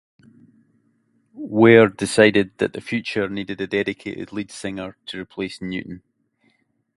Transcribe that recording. Ware decided that The Future needed a dedicated lead singer to replace Newton.